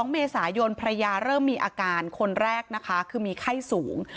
๒เมษายนภรรยาเริ่มมีอาการคนแรกนะคะคือมีไข้สูง